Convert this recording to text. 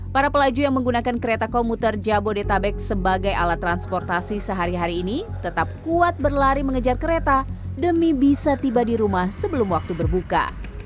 para pelaju yang menggunakan kereta komuter jabodetabek sebagai alat transportasi sehari hari ini tetap kuat berlari mengejar kereta demi bisa tiba di rumah sebelum waktu berbuka